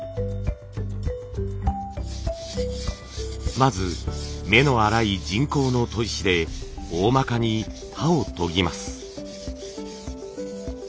まず目の粗い人工の砥石でおおまかに刃を研ぎます。